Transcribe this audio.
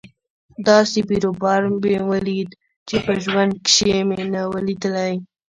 داسې بيروبار مې وليد چې په ژوند کښې مې نه و ليدلى.